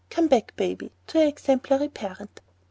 Come back, baby, to your exemplary parent."